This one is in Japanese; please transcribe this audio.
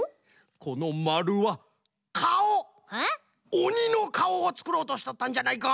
おにのかおをつくろうとしとったんじゃないか？